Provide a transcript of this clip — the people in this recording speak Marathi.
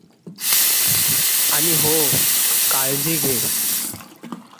आणि हो...काळजी घे..